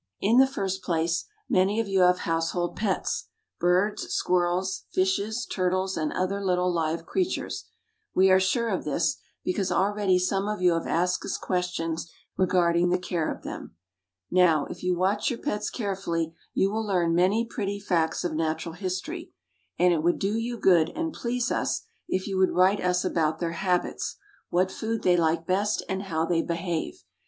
In the first place, many of you have household pets birds, squirrels, fishes, turtles, and other little live creatures. We are sure of this, because already some of you have asked us questions regarding the care of them. Now, if you watch your pets carefully, you will learn many pretty facts of natural history; and it would do you good, and please us, if you would write us about their habits, what food they like best, and how they behave.